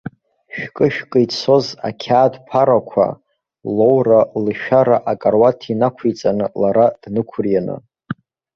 Шәкы-шәкы ицоз ақьаад ԥарақәа, лоура-лышәара акаруаҭ инықәиҵан лара днықәырианы.